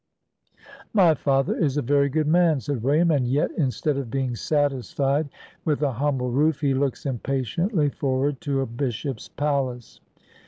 "My father is a very good man," said William; "and yet, instead of being satisfied with a humble roof, he looks impatiently forward to a bishop's palace."